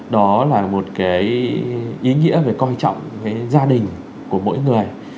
đó là một cái ý nghĩa về coi trọng cái gia đình của mỗi người